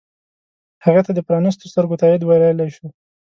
هغې ته د پرانیستو سترګو تایید ویلی شو.